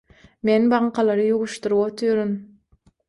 Men baňkalary ýuwuşdyryp otyryn.